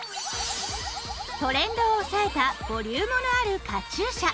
トレンドをおさえたボリュームのあるカチューシャ。